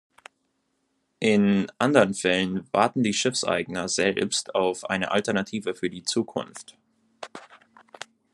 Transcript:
In anderen Fällen warten die Schiffseigner selbst auf eine Alternative für die Zukunft.